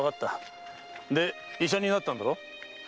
で医者になったんだろ？